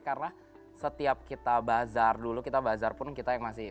karena setiap kita bazar dulu kita bazar pun kita yang masih